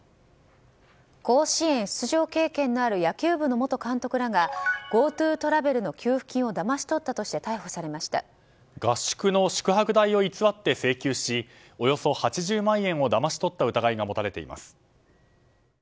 甲子園出場経験のある野球部の元監督らがＧｏＴｏトラベルの給付金をだまし取ったとして合宿の宿泊代を偽って請求しおよそ８０万円をだまし取った疑いが持たれています。